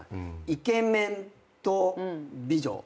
イケメンと美女。